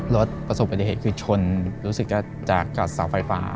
ประสบปฏิเหตุคือชนรู้สึกจะกัดเสาไฟฟ้า